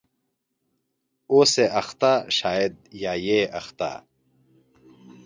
.اوسې اخته شاید یا یې اخته